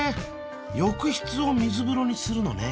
浴室を水風呂にするのね。